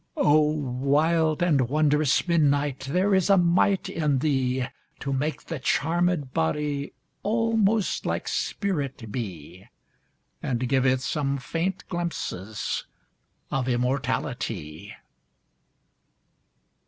O wild and wondrous midnight, There is a might in thee To make the charmèd body Almost like spirit be, And give it some faint glimpses Of immortality!